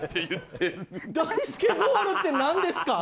ダイスケボールって何ですか？